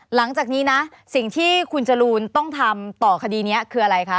หลังจากนี้นะสิ่งที่คุณจรูนต้องทำต่อคดีนี้คืออะไรคะ